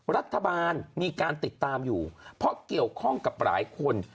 รัฐบาลมีการติดตามอยู่เพราะเกี่ยวข้องกับหลายคน